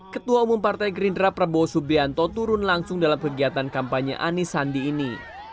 ketua umum partai gerindra prabowo subianto turun langsung dalam kegiatan kampanye anies sandi ini